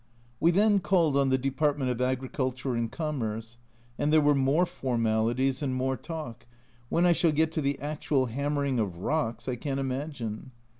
We then called on the Department of Agriculture and Commerce, and there were more formalities and more talk when I shall get to the actual hammering of rocks I can't imagine.